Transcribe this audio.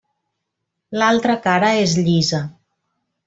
L'altra cara és llisa.